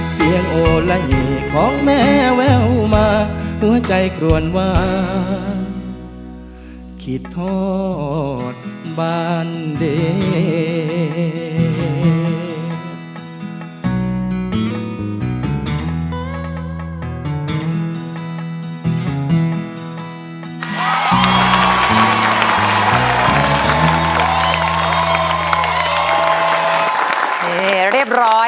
เสียงโอละหิของแม่แววมาหัวใจกลวนวาเขียบทอดบานเล่